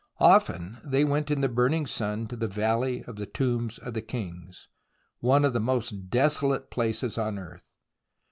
Often they went in the burning sun to the Valley of the Tombs of the Kings — one of the most desolate places on earth.